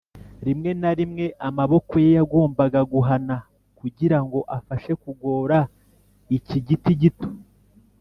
rimwe na rimwe amaboko ye yagombaga guhana, kugirango afashe kugora iki giti gito.